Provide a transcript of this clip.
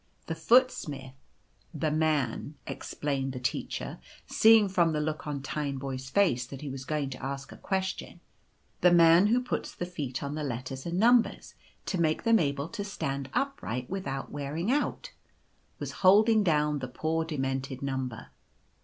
The Foot smith, — the man," explained the teacher, seeing from the The Doctor at work. 109 look on Tineboy 's face that he was going to ask a question, " the man who puts the feet on the letters and numbers to make them able to stand upright without wearing out, — was holding down the poor demented number.